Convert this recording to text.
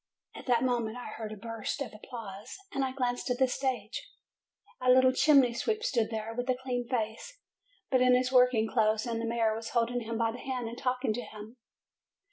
At that moment I heard a burst of applause, and I glanced at the stage: a little chimney sweep stood there, with a clean face, but in his working clothes, and the mayor was holding him by the hand and talking to him.